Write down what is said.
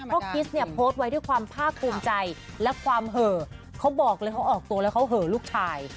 เพราะคริสเนี่ยโพสต์ไว้ด้วยความภาคภูมิใจและความเห่อเขาบอกเลยเขาออกตัวแล้วเขาเหอลูกชาย